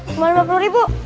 semua lima puluh ribu